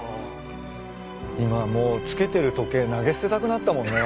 今もう着けてる時計投げ捨てたくなったもんね。